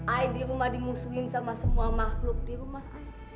ay di rumah dimusuhin sama semua makhluk di rumah ay